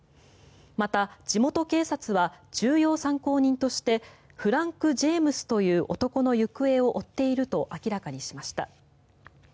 また、地元警察は重要参考人としてフランク・ジェームスという男の行方を追っていると明らかにしました。